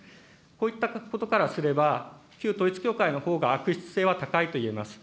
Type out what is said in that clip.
こういったことからすれば、旧統一教会のほうが悪質性は高いといえます。